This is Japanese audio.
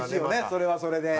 それはそれで。